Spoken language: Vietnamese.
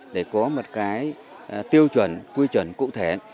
để có một cái tiêu chuẩn quy chuẩn cụ thể